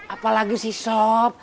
apa lagi sih sob